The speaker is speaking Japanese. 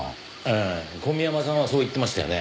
ええ小宮山さんはそう言ってましたよね。